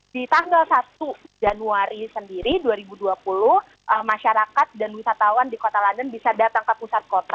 di tanggal satu januari sendiri dua ribu dua puluh masyarakat dan wisatawan di kota london bisa datang ke pusat kota